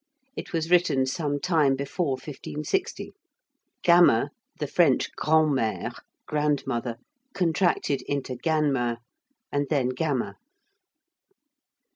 It was written some time before 1560. ('Gammer,' the French grand' mère, grandmother, contracted into 'ganmer,' and then 'gammer.')